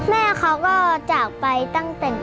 แม่เขาก็จากไปตั้งแต่